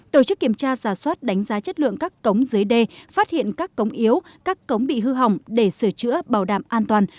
tổ chức kiểm tra giả soát đánh giá chất lượng các cống dưới đê phát hiện các cống yếu các cống bị hư hỏng để sửa chữa bảo đảm an toàn